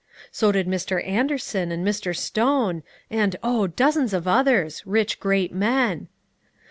So did Mr. Anderson and Mr. Stone, and oh! dozens of others, rich, great men.